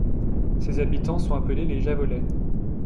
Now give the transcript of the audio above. Ses habitants sont appelés les Javolais.